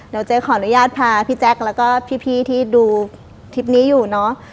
เดี๋ยวเจ๊ขออนุญาตพาพี่แจ๊คแล้วก็พี่ที่ดูคลิปนี้อยู่เนอะ